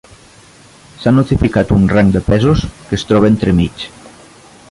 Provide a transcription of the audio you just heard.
S'ha notificat un rang de pesos que es troba entremig.